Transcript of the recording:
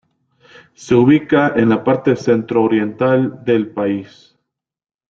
Se ubica en la parte centro-oriental del país.